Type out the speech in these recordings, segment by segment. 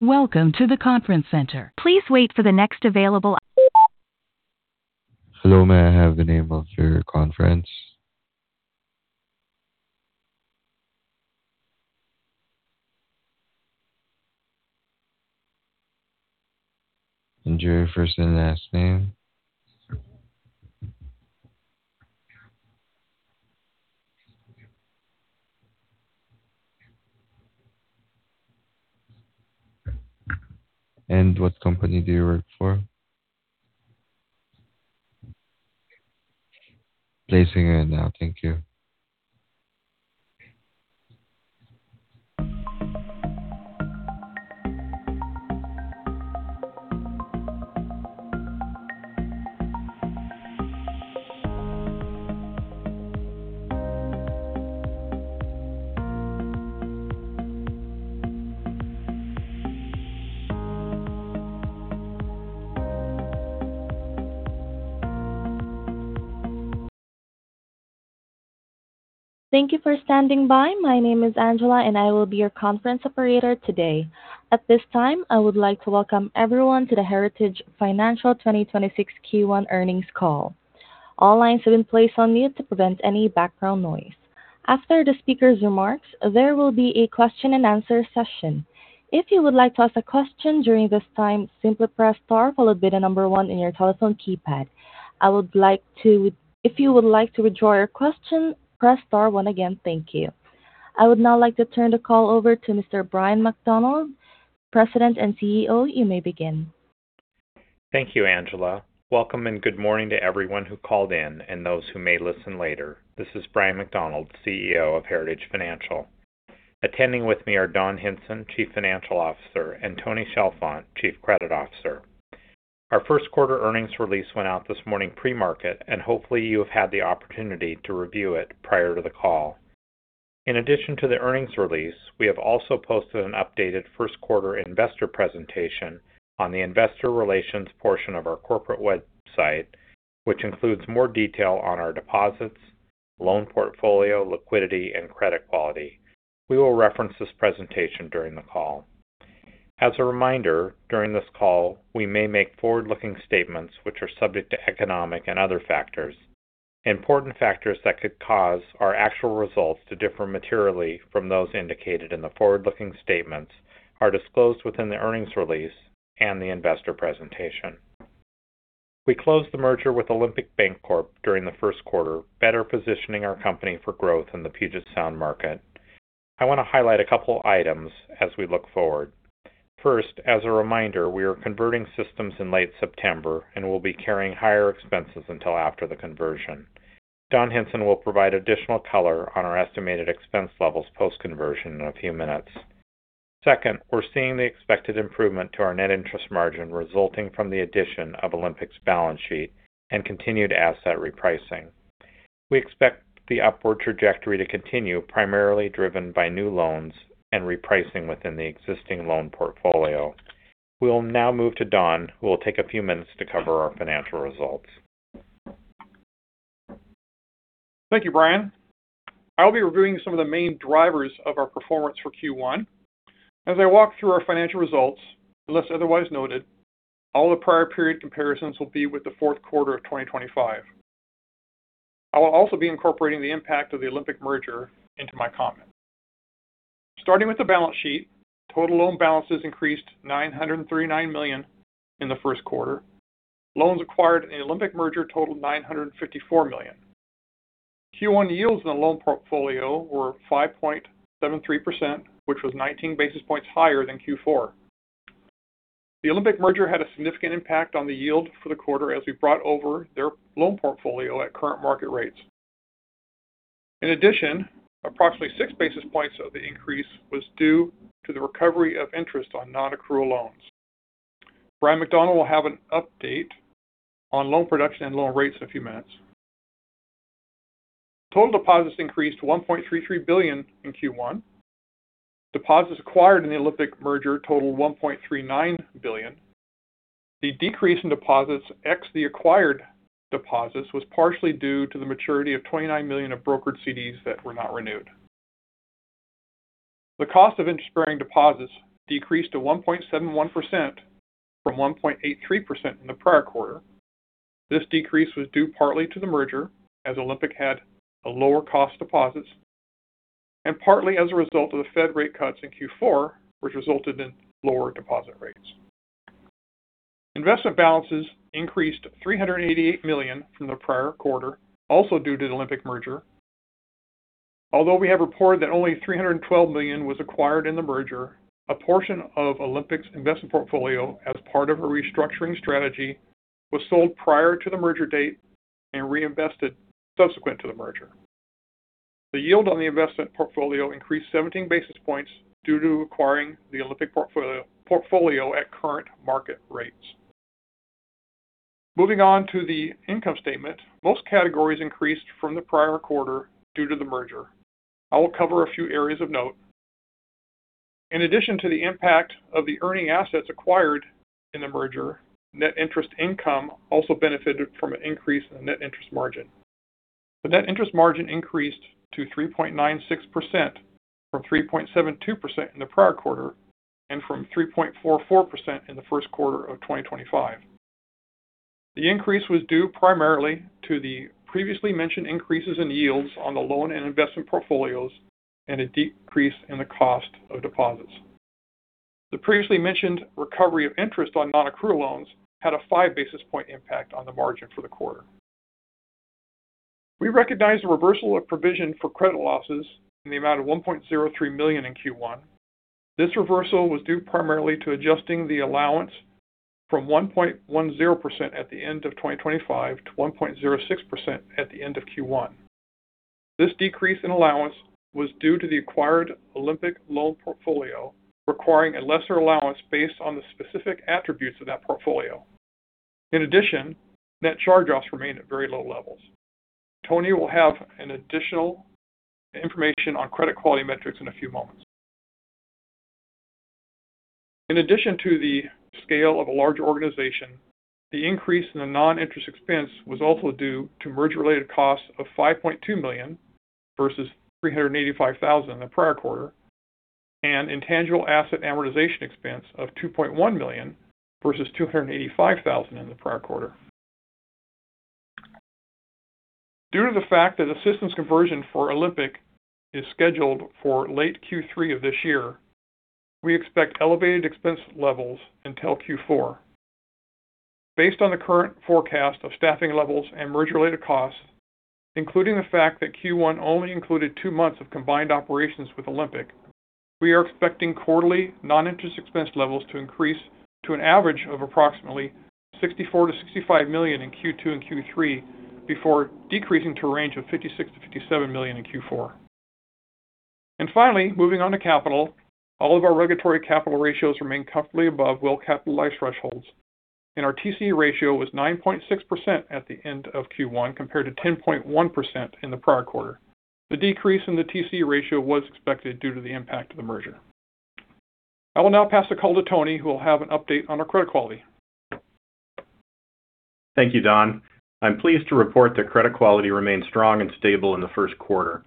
Welcome to the conference center. Please wait for the next available Hello, may I have the name of your conference? And your first and last name? And what company do you work for? Placing you in now. Thank you. Thank you for standing by. My name is Angela, and I will be your conference operator today. At this time, I would like to welcome everyone to the Heritage Financial 2026 Q1 earnings call. All lines have been placed on mute to prevent any background noise. After the speaker's remarks, there will be a question and answer session. If you would like to ask a question during this time, simply press star followed by the number one on your telephone keypad. If you would like to withdraw your question, press star one again. Thank you. I would now like to turn the call over to Mr. Bryan D. McDonald, President and CEO. You may begin. Thank you, Angela. Welcome and good morning to everyone who called in and those who may listen later. This is Bryan D. McDonald, CEO of Heritage Financial. Attending with me are Donald J. Hinson, Chief Financial Officer, and Tony Chalfant, Chief Credit Officer. Our first quarter earnings release went out this morning pre-market, and hopefully you have had the opportunity to review it prior to the call. In addition to the earnings release, we have also posted an updated first quarter investor presentation on the investor relations portion of our corporate website, which includes more detail on our deposits, loan portfolio, liquidity, and credit quality. We will reference this presentation during the call. As a reminder, during this call, we may make forward-looking statements which are subject to economic and other factors. Important factors that could cause our actual results to differ materially from those indicated in the forward-looking statements are disclosed within the earnings release and the investor presentation. We closed the merger with Olympic Bancorp during the first quarter, better positioning our company for growth in the Puget Sound market. I want to highlight a couple items as we look forward. First, as a reminder, we are converting systems in late September and will be carrying higher expenses until after the conversion. Don Hinson will provide additional color on our estimated expense levels post-conversion in a few minutes. Second, we're seeing the expected improvement to our net interest margin resulting from the addition of Olympic's balance sheet and continued asset repricing. We expect the upward trajectory to continue, primarily driven by new loans and repricing within the existing loan portfolio. We will now move to Don, who will take a few minutes to cover our financial results. Thank you, Bryan. I'll be reviewing some of the main drivers of our performance for Q1. As I walk through our financial results, unless otherwise noted, all the prior period comparisons will be with the fourth quarter of 2025. I will also be incorporating the impact of the Olympic merger into my comments. Starting with the balance sheet, total loan balances increased $939 million in the first quarter. Loans acquired in the Olympic merger totaled $954 million. Q1 yields in the loan portfolio were 5.73%, which was 19 basis points higher than Q4. The Olympic merger had a significant impact on the yield for the quarter as we brought over their loan portfolio at current market rates. In addition, approximately 6 basis points of the increase was due to the recovery of interest on non-accrual loans Bryan D. McDonald will have an update on loan production and loan rates in a few minutes. Total deposits increased to $1.33 billion in Q1. Deposits acquired in the Olympic merger totaled $1.39 billion. The decrease in deposits, excluding the acquired deposits, was partially due to the maturity of $29 million of brokered CDs that were not renewed. The cost of interest-bearing deposits decreased to 1.71% from 1.83% in the prior quarter. This decrease was due partly to the merger, as Olympic had lower cost deposits, and partly as a result of the Fed rate cuts in Q4, which resulted in lower deposit rates. Investment balances increased $388 million from the prior quarter, also due to the Olympic merger. Although we have reported that only $312 million was acquired in the merger, a portion of Olympic's investment portfolio, as part of a restructuring strategy, was sold prior to the merger date and reinvested subsequent to the merger. The yield on the investment portfolio increased 17 basis points due to acquiring the Olympic portfolio at current market rates. Moving on to the income statement. Most categories increased from the prior quarter due to the merger. I will cover a few areas of note. In addition to the impact of the earning assets acquired in the merger, net interest income also benefited from an increase in net interest margin. The net interest margin increased to 3.96% from 3.72% in the prior quarter and from 3.44% in the first quarter of 2025. The increase was due primarily to the previously mentioned increases in yields on the loan and investment portfolios and a decrease in the cost of deposits. The previously mentioned recovery of interest on non-accrual loans had a 5 basis point impact on the margin for the quarter. We recognized a reversal of provision for credit losses in the amount of $1.03 million in Q1. This reversal was due primarily to adjusting the allowance from 1.10% at the end of 2025 to 1.06% at the end of Q1. This decrease in allowance was due to the acquired Olympic loan portfolio requiring a lesser allowance based on the specific attributes of that portfolio. In addition, net charge-offs remained at very low levels. Tony will have an additional information on credit quality metrics in a few moments. In addition to the scale of a large organization, the increase in the noninterest expense was also due to merger-related costs of $5.2 million versus $385,000 in the prior quarter, and intangible asset amortization expense of $2.1 million versus $285,000 in the prior quarter. Due to the fact that systems conversion for Olympic is scheduled for late Q3 of this year, we expect elevated expense levels until Q4. Based on the current forecast of staffing levels and merger-related costs, including the fact that Q1 only included two months of combined operations with Olympic, we are expecting quarterly noninterest expense levels to increase to an average of approximately $64 million-$65 million in Q2 and Q3, before decreasing to a range of $56 million-$57 million in Q4. Finally, moving on to capital, all of our regulatory capital ratios remain comfortably above well-capitalized thresholds, and our TCE ratio was 9.6% at the end of Q1, compared to 10.1% in the prior quarter. The decrease in the TCE ratio was expected due to the impact of the merger. I will now pass the call to Tony, who will have an update on our credit quality. Thank you, Don. I'm pleased to report that credit quality remained strong and stable in the first quarter.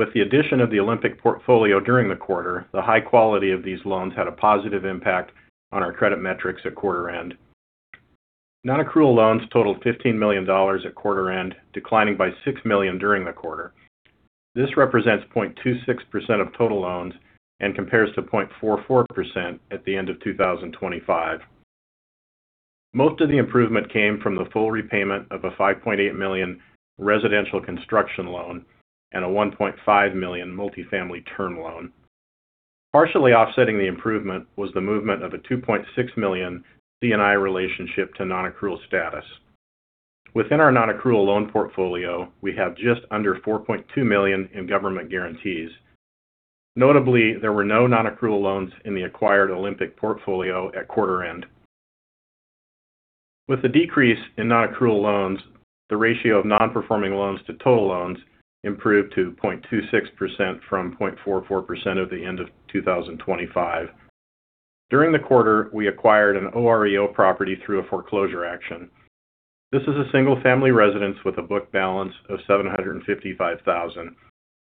With the addition of the Olympic portfolio during the quarter, the high quality of these loans had a positive impact on our credit metrics at quarter end. Non-accrual loans totaled $15 million at quarter end, declining by $6 million during the quarter. This represents 0.26% of total loans and compares to 0.44% at the end of 2025. Most of the improvement came from the full repayment of a $5.8 million residential construction loan and a $1.5 million multifamily term loan. Partially offsetting the improvement was the movement of a $2.6 million C&I relationship to non-accrual status. Within our non-accrual loan portfolio, we have just under $4.2 million in government guarantees. Notably, there were no non-accrual loans in the acquired Olympic portfolio at quarter end. With the decrease in non-accrual loans, the ratio of non-performing loans to total loans improved to 0.26% from 0.44% at the end of 2025. During the quarter, we acquired an OREO property through a foreclosure action. This is a single-family residence with a book balance of $755,000.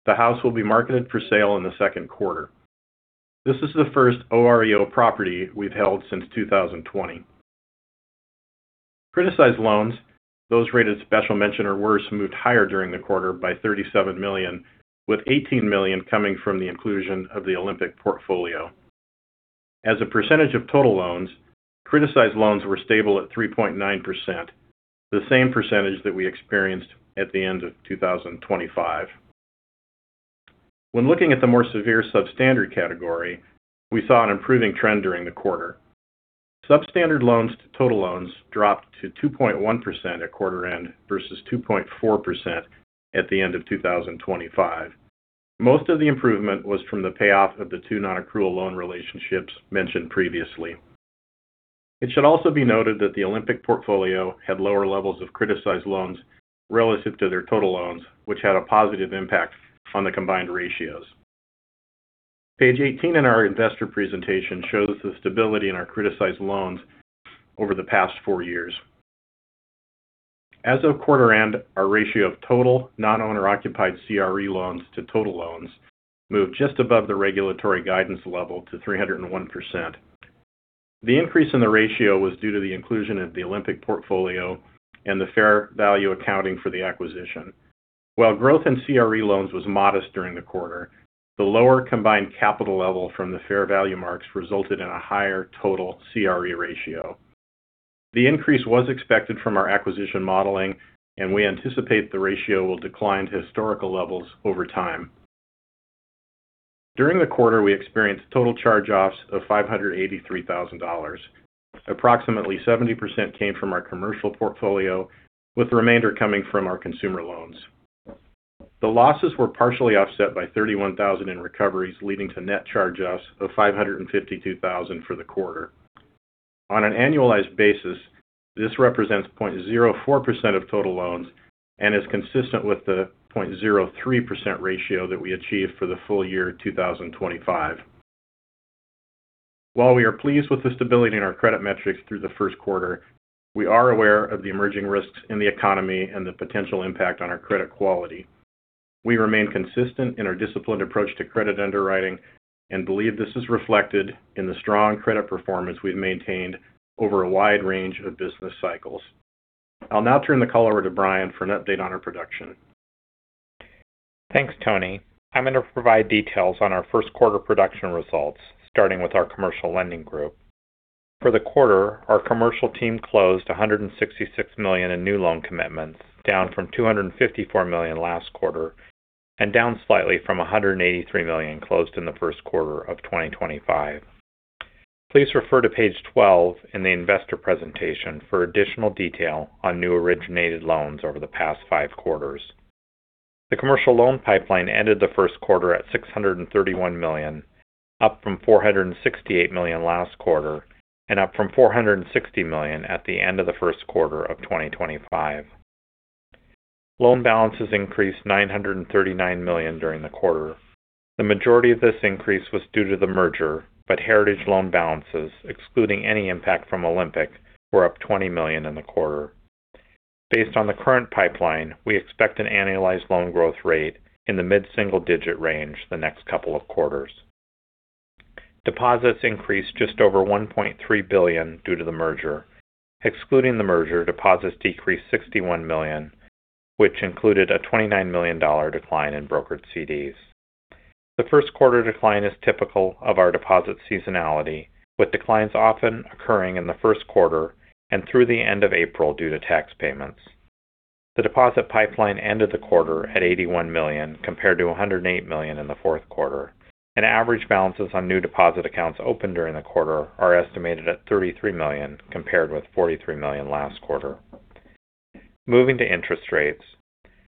The house will be marketed for sale in the second quarter. This is the first OREO property we've held since 2020. Criticized loans, those rated special mention or worse, moved higher during the quarter by $37 million, with $18 million coming from the inclusion of the Olympic portfolio. As a percentage of total loans, criticized loans were stable at 3.9%, the same percentage that we experienced at the end of 2025. When looking at the more severe substandard category, we saw an improving trend during the quarter. Substandard loans to total loans dropped to 2.1% at quarter end versus 2.4% at the end of 2025. Most of the improvement was from the payoff of the two non-accrual loan relationships mentioned previously. It should also be noted that the Olympic portfolio had lower levels of criticized loans relative to their total loans, which had a positive impact on the combined ratios. Page 18 in our investor presentation shows the stability in our criticized loans over the past four years. As of quarter end, our ratio of total non-owner occupied CRE loans to total loans moved just above the regulatory guidance level to 301%. The increase in the ratio was due to the inclusion of the Olympic portfolio and the fair value accounting for the acquisition. While growth in CRE loans was modest during the quarter, the lower combined capital level from the fair value marks resulted in a higher total CRE ratio. The increase was expected from our acquisition modeling, and we anticipate the ratio will decline to historical levels over time. During the quarter, we experienced total charge-offs of $583,000. Approximately 70% came from our commercial portfolio, with the remainder coming from our consumer loans. The losses were partially offset by $31,000 in recoveries, leading to net charge-offs of $552,000 for the quarter. On an annualized basis, this represents 0.04% of total loans and is consistent with the 0.03% ratio that we achieved for the full year 2025. While we are pleased with the stability in our credit metrics through the first quarter, we are aware of the emerging risks in the economy and the potential impact on our credit quality. We remain consistent in our disciplined approach to credit underwriting and believe this is reflected in the strong credit performance we've maintained over a wide range of business cycles. I'll now turn the call over to Bryan for an update on our production. Thanks, Tony. I'm going to provide details on our first quarter production results, starting with our commercial lending group. For the quarter, our commercial team closed $166 million in new loan commitments, down from $254 million last quarter and down slightly from $183 million closed in the first quarter of 2025. Please refer to page 12 in the investor presentation for additional detail on new originated loans over the past five quarters. The commercial loan pipeline ended the first quarter at $631 million, up from $468 million last quarter and up from $460 million at the end of the first quarter of 2025. Loan balances increased $939 million during the quarter. The majority of this increase was due to the merger, but Heritage loan balances, excluding any impact from Olympic, were up $20 million in the quarter. Based on the current pipeline, we expect an annualized loan growth rate in the mid-single digit range the next couple of quarters. Deposits increased just over $1.3 billion due to the merger. Excluding the merger, deposits decreased $61 million, which included a $29 million decline in brokered CDs. The first quarter decline is typical of our deposit seasonality, with declines often occurring in the first quarter and through the end of April due to tax payments. The deposit pipeline ended the quarter at $81 million, compared to $108 million in the fourth quarter, and average balances on new deposit accounts opened during the quarter are estimated at $33 million, compared with $43 million last quarter. Moving to interest rates.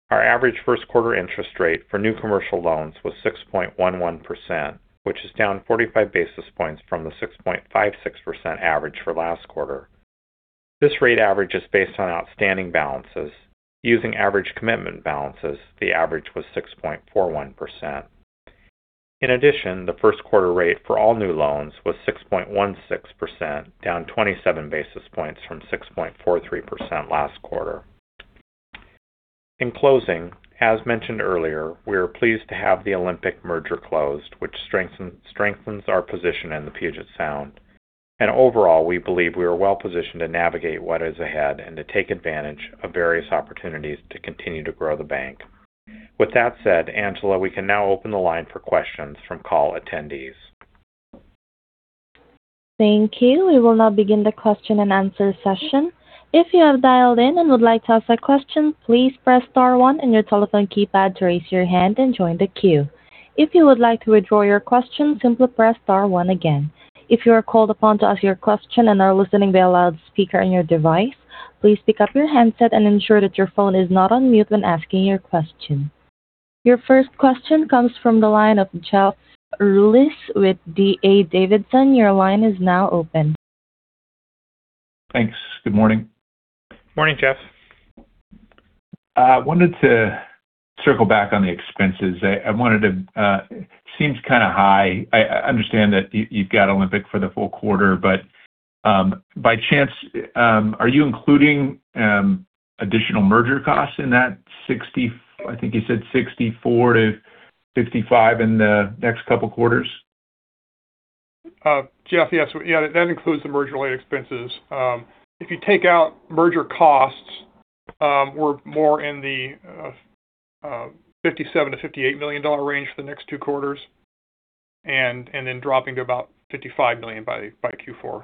Our average first quarter interest rate for new commercial loans was 6.11%, which is down 45 basis points from the 6.56% average for last quarter. This rate average is based on outstanding balances. Using average commitment balances, the average was 6.41%. In addition, the first quarter rate for all new loans was 6.16%, down 27 basis points from 6.43% last quarter. In closing, as mentioned earlier, we are pleased to have the Olympic merger closed, which strengthens our position in the Puget Sound. Overall, we believe we are well positioned to navigate what is ahead and to take advantage of various opportunities to continue to grow the bank. With that said, Angela, we can now open the line for questions from call attendees. Thank you. We will now begin the question and answer session. If you have dialed in and would like to ask a question, please press star one on your telephone keypad to raise your hand and join the queue. If you would like to withdraw your question, simply press star one again. If you are called upon to ask your question and are listening via loudspeaker on your device, please pick up your handset and ensure that your phone is not on mute when asking your question. Your first question comes from the line of Jeff Rulis with D.A. Davidson. Your line is now open. Thanks. Good morning. Morning, Jeff. I wanted to circle back on the expenses. Seems kind of high. I understand that you've got Olympic for the full quarter, but by chance, are you including additional merger costs in that $60, I think you said $64-$65 in the next couple quarters? Jeff, yes. That includes the merger-related expenses. If you take out merger costs, we're more in the $57-$58 million range for the next two quarters, and then dropping to about $55 million by Q4.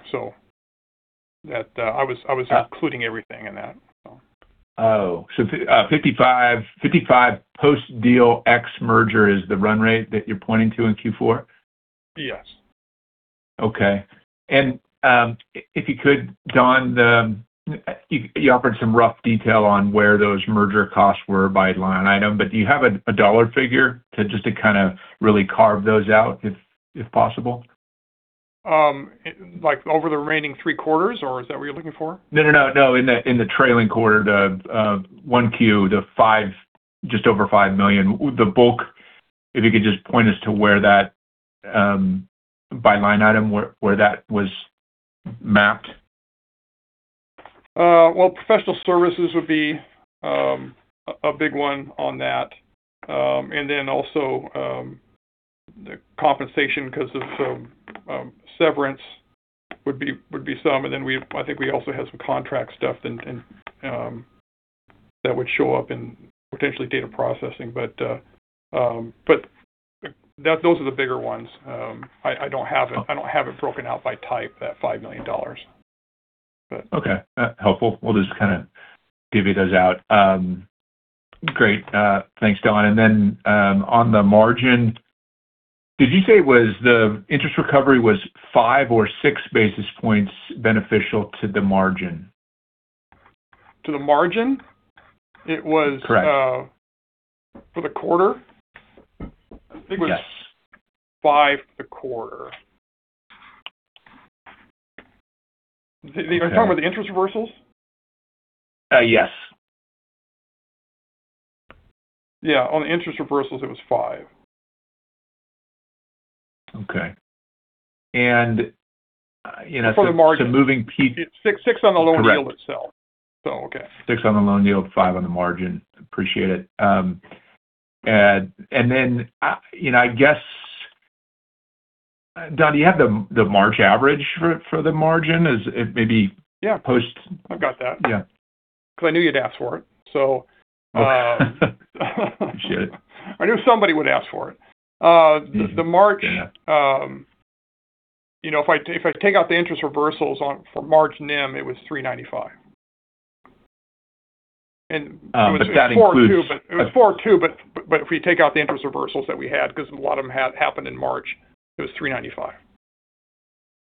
I was including everything in that. Oh. $55 post-deal ex merger is the run rate that you're pointing to in Q4? Yes. Okay. If you could, Don, you offered some rough detail on where those merger costs were by line item, but do you have a dollar figure just to kind of really carve those out if possible? Like over the remaining three quarters, or is that what you're looking for? No, in the trailing quarter, the 1Q, the just over $5 million. The bulk, if you could just point us to where that, by line item, where that was mapped. Well, professional services would be a big one on that. The compensation because of severance would be some. I think we also have some contract stuff that would show up in potentially data processing. Those are the bigger ones. I don't have it broken out by type, that $5 million. Okay. Helpful. We'll just kind of divvy those out. Great. Thanks, Don. On the margin, did you say the interest recovery was 5 or 6 basis points beneficial to the margin? To the margin? Correct. For the quarter? Yes. I think it was five for the quarter. Are you talking about the interest reversals? Yes. Yeah. On the interest reversals it was five. Okay. For the margin. So moving peak Six on the loan yield itself. Correct. Okay. Six on the loan yield, five on the margin. Appreciate it. I guess, Don, do you have the March average for the margin? Is it maybe- Yeah Post? I've got that. Yeah. Because I knew you'd ask for it. Appreciate it. I knew somebody would ask for it. If I take out the interest reversals for March NIM, it was 3.95%. It was- That includes. It was 402, but if we take out the interest reversals that we had, because a lot of them happened in March, it was 395.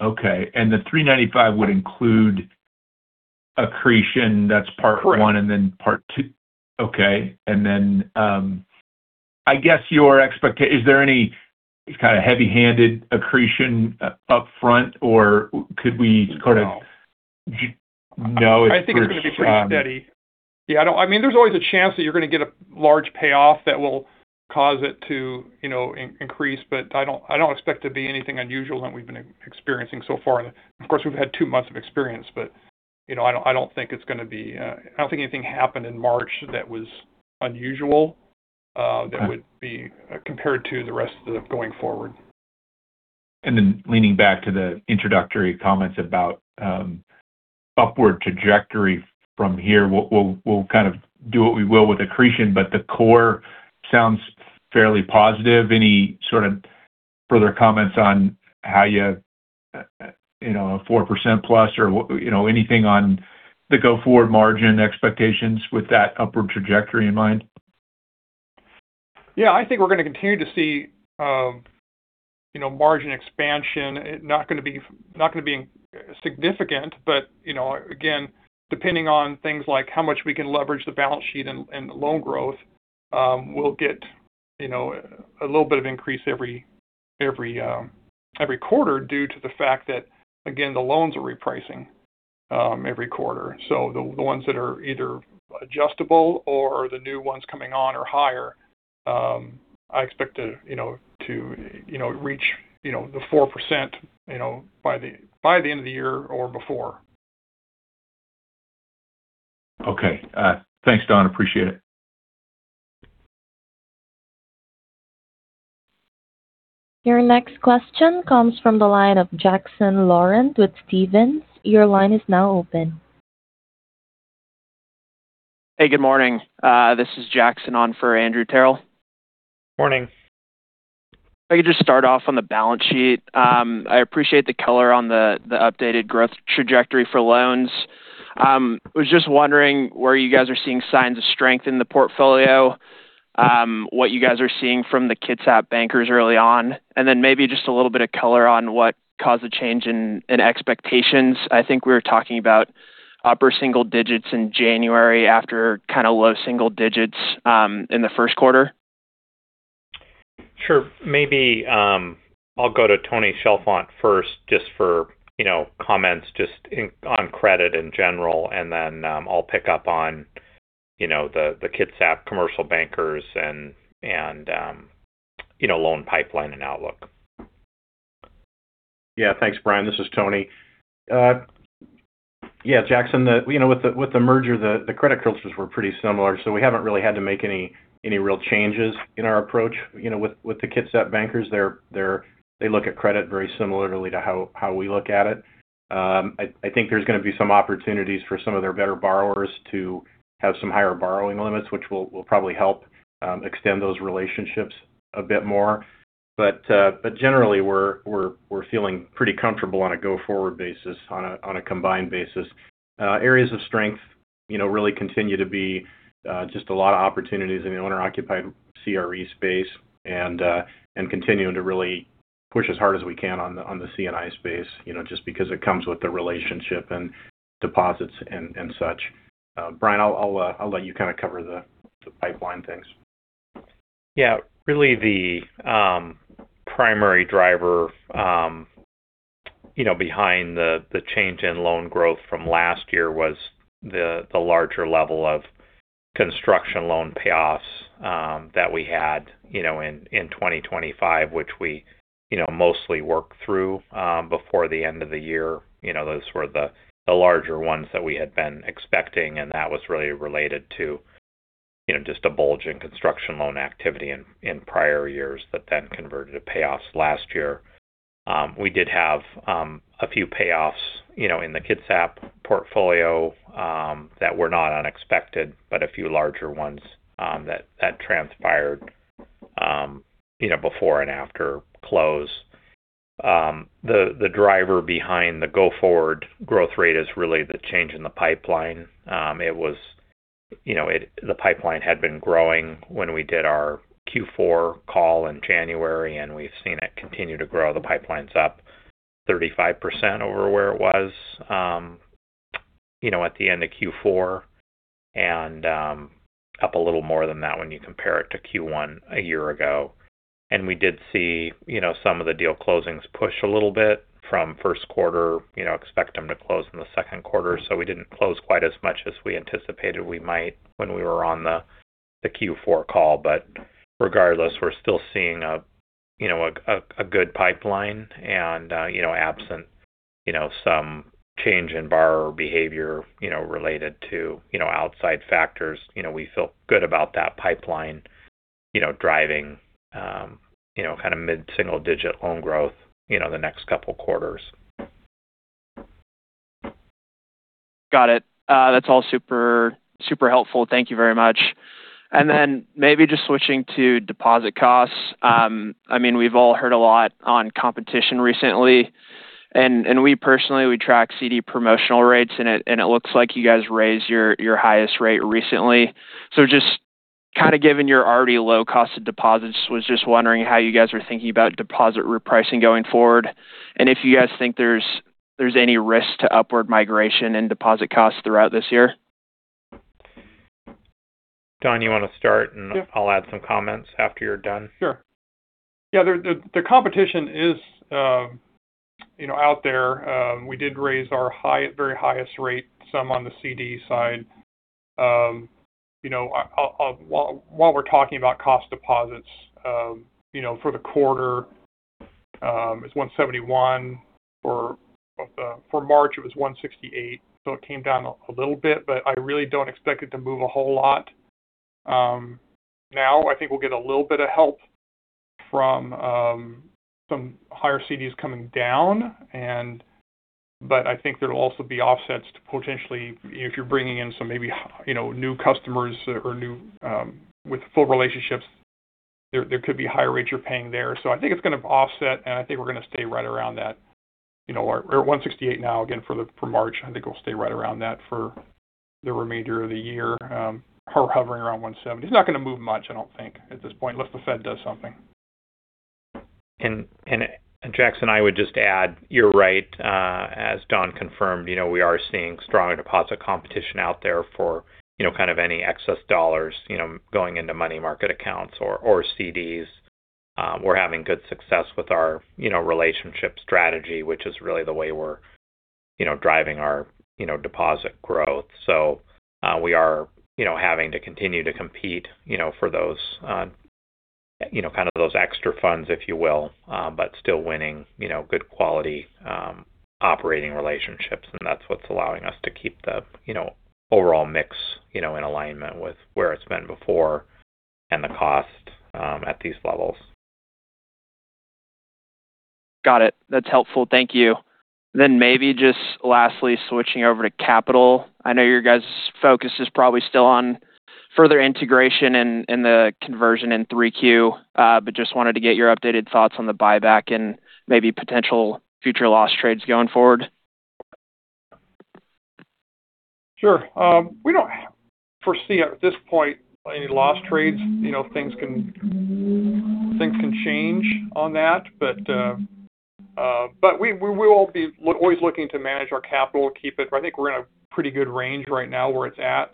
Okay. The $395 would include accretion, that's part one. Correct Then part two. Okay. Then, I guess is there any kind of heavy-handed accretion up front, or could we kind of No. No. It's pretty. I think it's going to be pretty steady. Yeah. There's always a chance that you're going to get a large payoff that will cause it to increase, but I don't expect it to be anything unusual than we've been experiencing so far. Of course, we've had two months of experience, but I don't think anything happened in March that was unusual. That would be compared to the rest of the going forward. Leaning back to the introductory comments about upward trajectory from here, we'll do what we will with accretion, but the core sounds fairly positive. Any sort of further comments on how you, 4% plus or anything on the go-forward margin expectations with that upward trajectory in mind? Yeah, I think we're going to continue to see margin expansion. Not going to be significant, but again, depending on things like how much we can leverage the balance sheet and the loan growth, we'll get a little bit of increase every quarter due to the fact that, again, the loans are repricing every quarter. The ones that are either adjustable or the new ones coming on are higher. I expect to reach the 4% by the end of the year or before. Okay. Thanks, Don. Appreciate it. Your next question comes from the line of Jackson Laurent with Stephens. Your line is now open. Hey, good morning. This is Jackson on for Andrew Terrell. Morning. If I could just start off on the balance sheet. I appreciate the color on the updated growth trajectory for loans. I was just wondering where you guys are seeing signs of strength in the portfolio, what you guys are seeing from the Kitsap bankers early on, and then maybe just a little bit of color on what caused the change in expectations. I think we were talking about upper single digits in January after low single digits in the first quarter. Sure. Maybe I'll go to Tony Chalfant first just for comments just on credit in general, and then I'll pick up on the Kitsap commercial bankers and loan pipeline and outlook. Yeah. Thanks, Bryan. This is Tony. Yeah, Jackson, with the merger, the credit cultures were pretty similar, so we haven't really had to make any real changes in our approach with the Kitsap bankers. They look at credit very similarly to how we look at it. I think there's going to be some opportunities for some of their better borrowers to have some higher borrowing limits, which will probably help extend those relationships a bit more. Generally, we're feeling pretty comfortable on a go-forward basis, on a combined basis. Areas of strength really continue to be just a lot of opportunities in the owner-occupied CRE space, and continuing to really push as hard as we can on the C&I space, just because it comes with the relationship and deposits and such. Bryan, I'll let you kind of cover the pipeline things. Yeah. Really the primary driver behind the change in loan growth from last year was the larger level of construction loan payoffs that we had in 2025, which we mostly worked through before the end of the year. Those were the larger ones that we had been expecting, and that was really related to just a bulge in construction loan activity in prior years that then converted to payoffs last year. We did have a few payoffs in the Kitsap portfolio that were not unexpected, but a few larger ones that transpired before and after close. The driver behind the go-forward growth rate is really the change in the pipeline. The pipeline had been growing when we did our Q4 call in January, and we've seen it continue to grow. The pipeline's up 35% over where it was at the end of Q4, and up a little more than that when you compare it to Q1 a year ago. We did see some of the deal closings push a little bit from the first quarter. We expect them to close in the second quarter. We didn't close quite as much as we anticipated we might when we were on the Q4 call. Regardless, we're still seeing a good pipeline and absent some change in borrower behavior related to outside factors, we feel good about that pipeline driving mid-single-digit loan growth the next couple quarters. Got it. That's all super helpful. Thank you very much. Maybe just switching to deposit costs. We've all heard a lot on competition recently, and we personally track CD promotional rates and it looks like you guys raised your highest rate recently. Just given your already low cost of deposits, was just wondering how you guys are thinking about deposit repricing going forward, and if you guys think there's any risk to upward migration in deposit costs throughout this year? Don, you want to start? Yeah. I'll add some comments after you're done. Sure. The competition is out there. We did raise our very highest rate some on the CD side. While we're talking about cost of deposits for the quarter, it's 171. For March, it was 168. It came down a little bit, but I really don't expect it to move a whole lot. Now, I think we'll get a little bit of help from some higher CDs coming down. I think there'll be offsets to potentially if you're bringing in some maybe new customers or new with full relationships, there could be higher rates you're paying there. I think it's going to offset, and I think we're going to stay right around that. We're 168 now again for March. I think we'll stay right around that for the remainder of the year, hovering around 170. It's not going to move much, I don't think, at this point, unless the Fed does something. Jackson, I would just add, you're right. As Don confirmed we are seeing stronger deposit competition out there for any excess dollars going into money market accounts or CDs. We're having good success with our relationship strategy, which is really the way we're driving our deposit growth. We are having to continue to compete for those extra funds, if you will. Still winning good quality operating relationships. That's what's allowing us to keep the overall mix in alignment with where it's been before and the cost at these levels. Got it. That's helpful. Thank you. Maybe just lastly, switching over to capital. I know your guys' focus is probably still on further integration and the conversion in Q3. Just wanted to get your updated thoughts on the buyback and maybe potential future loss trades going forward. Sure. We don't foresee at this point any loss trades. Things can change on that. We will be always looking to manage our capital, keep it. I think we're in a pretty good range right now where it's at.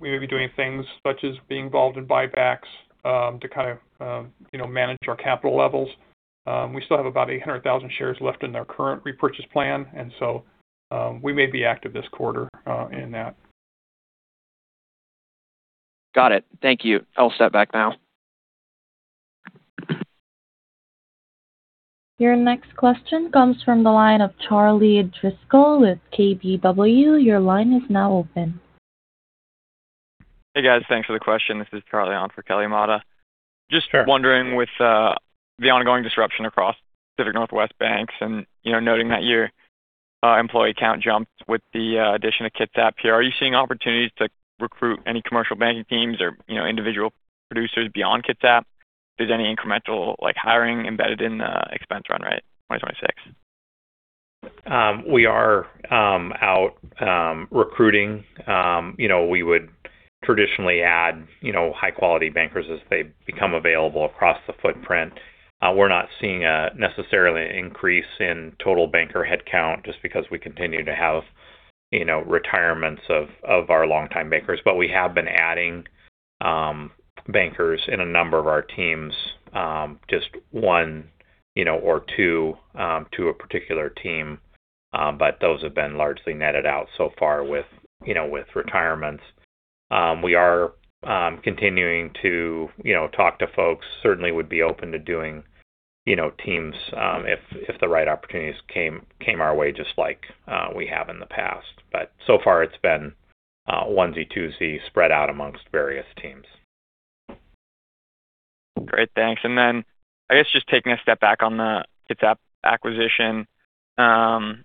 We may be doing things such as being involved in buybacks to manage our capital levels. We still have about 800,000 shares left in our current repurchase plan, and so we may be active this quarter in that. Got it. Thank you. I'll step back now. Your next question comes from the line of Charlie Driscoll with KBW. Your line is now open. Hey, guys. Thanks for the question. This is Charlie on for Kelly Motta. Sure. Just wondering with the ongoing disruption across Pacific Northwest banks and noting that your employee count jumped with the addition of Kitsap here. Are you seeing opportunities to recruit any commercial banking teams or individual producers beyond Kitsap? If there's any incremental hiring embedded in the expense run rate 2026? We are out recruiting. We would traditionally add high-quality bankers as they become available across the footprint. We're not seeing necessarily an increase in total banker headcount just because we continue to have retirements of our longtime bankers. We have been adding bankers in a number of our teams, just one or two to a particular team. Those have been largely netted out so far with retirements. We are continuing to talk to folks. Certainly would be open to doing teams if the right opportunities came our way just like we have in the past. So far it's been onesie, twosie spread out amongst various teams. Great. Thanks. I guess just taking a step back on the Kitsap acquisition and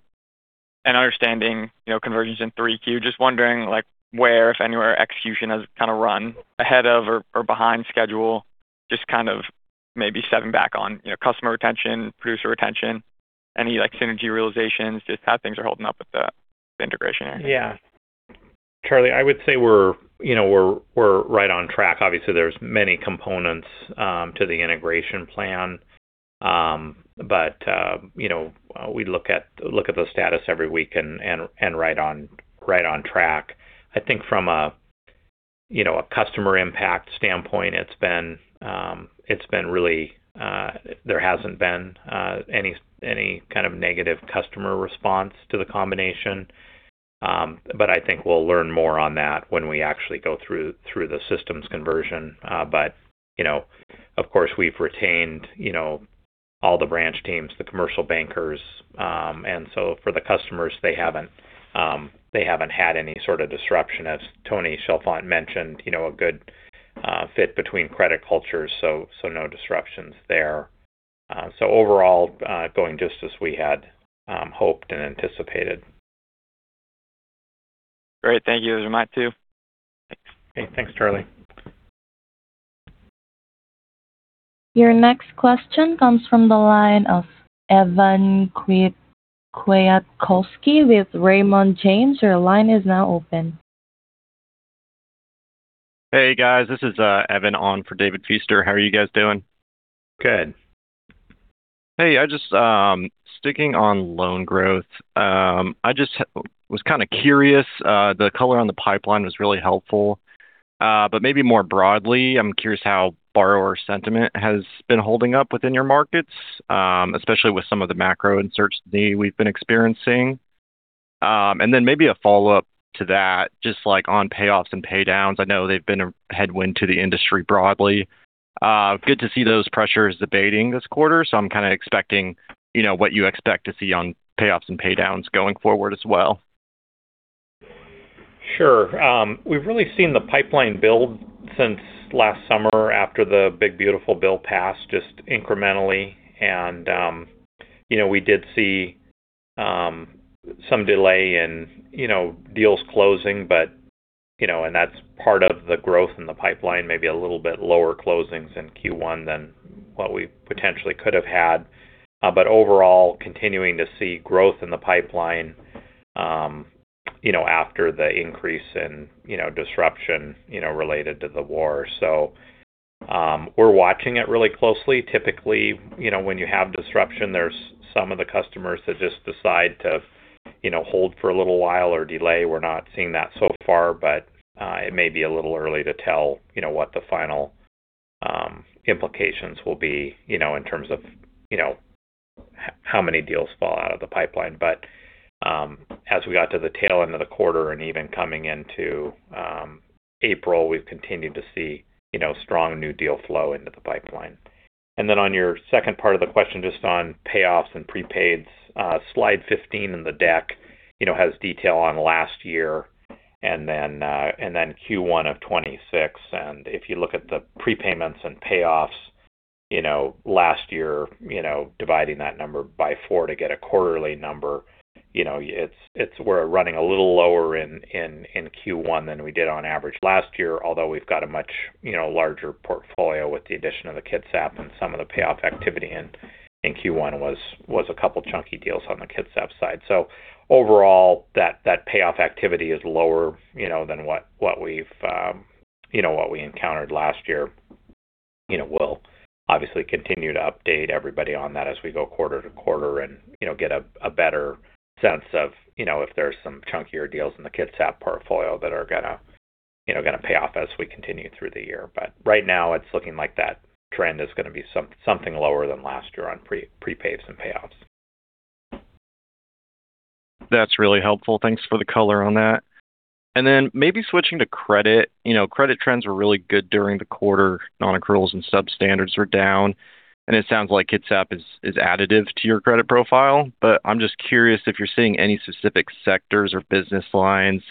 understanding conversions in 3Q. Just wondering like where, if anywhere, execution has run ahead of or behind schedule, just maybe stepping back on customer retention, producer retention, any synergy realizations, just how things are holding up with the integration. Yeah. Charlie, I would say we're right on track. Obviously, there's many components to the integration plan. We look at the status every week and right on track. I think from a customer impact standpoint, there hasn't been any kind of negative customer response to the combination. I think we'll learn more on that when we actually go through the systems conversion. Of course, we've retained all the branch teams, the commercial bankers. For the customers, they haven't had any sort of disruption. As Tony Chalfant mentioned, a good fit between credit cultures. No disruptions there. Overall, going just as we had hoped and anticipated. Great. Thank you. This is Matt too. Okay. Thanks, Charlie. Your next question comes from the line of Evan Kwiatkowski with Raymond James. Your line is now open. Hey, guys. This is Evan on for David Feaster. How are you guys doing? Good. Hey, just sticking on loan growth. I just was kind of curious. The color on the pipeline was really helpful. Maybe more broadly, I'm curious how borrower sentiment has been holding up within your markets, especially with some of the macro uncertainty we've been experiencing. Then maybe a follow-up to that, just like on payoffs and pay downs. I know they've been a headwind to the industry broadly. Good to see those pressures abating this quarter. I'm kind of expecting what you expect to see on payoffs and pay downs going forward as well. Sure. We've really seen the pipeline build since last summer after the big beautiful bill passed just incrementally. We did see some delay in deals closing, and that's part of the growth in the pipeline, maybe a little bit lower closings in Q1 than what we potentially could have had. Overall, continuing to see growth in the pipeline after the increase in disruption related to the war. We're watching it really closely. Typically, when you have disruption, there's some of the customers that just decide to hold for a little while or delay. We're not seeing that so far, but it may be a little early to tell what the final implications will be in terms of how many deals fall out of the pipeline. As we got to the tail end of the quarter and even coming into April, we've continued to see strong new deal flow into the pipeline. Then on your second part of the question, just on payoffs and prepaids. Slide 15 in the deck has detail on last year and then Q1 of 2026. If you look at the prepayments and payoffs last year, dividing that number by four to get a quarterly number, we're running a little lower in Q1 than we did on average last year, although we've got a much larger portfolio with the addition of the Kitsap and some of the payoff activity. Q1 was a couple chunky deals on the Kitsap side. Overall, that payoff activity is lower than what we encountered last year. We'll obviously continue to update everybody on that as we go quarter to quarter and get a better sense of if there's some chunkier deals in the Kitsap portfolio that are going to pay off as we continue through the year. Right now, it's looking like that trend is going to be something lower than last year on prepays and payoffs. That's really helpful. Thanks for the color on that. Maybe switching to credit. Credit trends were really good during the quarter. Non-accruals and substandards were down. It sounds like Kitsap is additive to your credit profile, but I'm just curious if you're seeing any specific sectors or business lines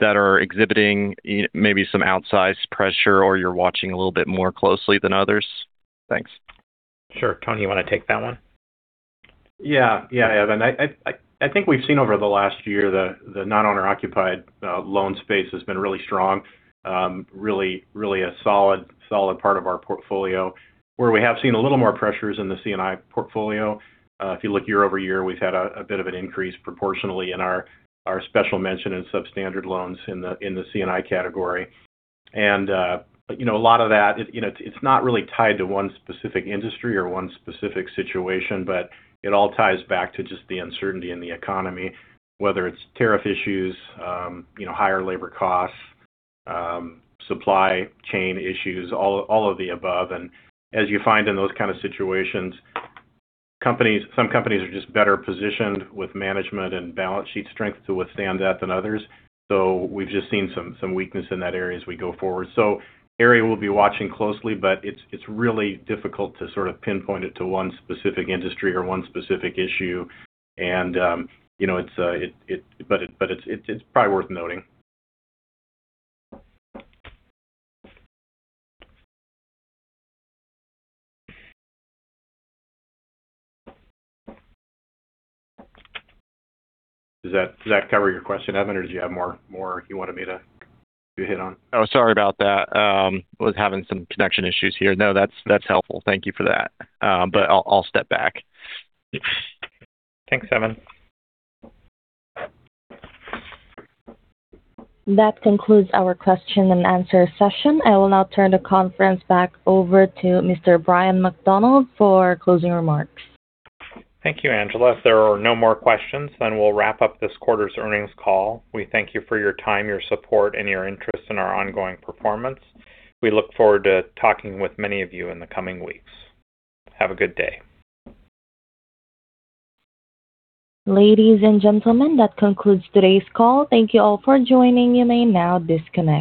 that are exhibiting maybe some outsized pressure or you're watching a little bit more closely than others? Thanks. Sure. Tony, you want to take that one? Yeah. Evan, I think we've seen over the last year the non-owner-occupied loan space has been really strong. Really a solid part of our portfolio where we have seen a little more pressures in the C&I portfolio. If you look year-over-year, we've had a bit of an increase proportionally in our special mention in substandard loans in the C&I category. A lot of that, it's not really tied to one specific industry or one specific situation, but it all ties back to just the uncertainty in the economy, whether it's tariff issues, higher labor costs, supply chain issues, all of the above. As you find in those kind of situations, some companies are just better positioned with management and balance sheet strength to withstand that than others. We've just seen some weakness in that area as we go forward. Area we'll be watching closely, but it's really difficult to sort of pinpoint it to one specific industry or one specific issue. But it's probably worth noting. Does that cover your question, Evan? Or did you have more you wanted me to hit on? Oh, sorry about that. Was having some connection issues here. No, that's helpful. Thank you for that. I'll step back. Thanks, Evan. That concludes our question and answer session. I will now turn the conference back over to Mr. Bryan D. McDonald for closing remarks. Thank you, Angela. If there are no more questions, then we'll wrap up this quarter's earnings call. We thank you for your time, your support, and your interest in our ongoing performance. We look forward to talking with many of you in the coming weeks. Have a good day. Ladies and gentlemen, that concludes today's call. Thank you all for joining. You may now disconnect.